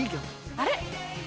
あれ？